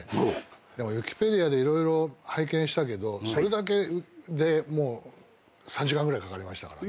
でもウィキペディアで色々拝見したけどそれだけで３時間ぐらいかかりましたから。